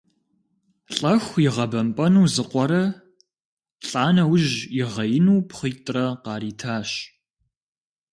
Лӏэху игъэбэмпӏэну зы къуэрэ, лӏа нэужь ягъеину пхъуитӏрэ къаритащ.